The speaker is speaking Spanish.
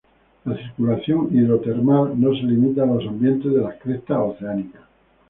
La circulación hidrotermal no se limita a los ambientes de las crestas oceánicas.